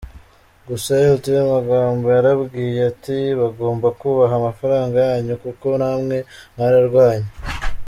Gusa Lt Magambo yarambwiye ati bagomba kubaha amafranga yanyu kuko namwe mwararwanye.